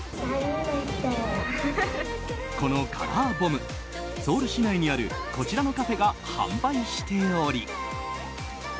このカラーボムソウル市内にあるこちらのカフェが販売しており。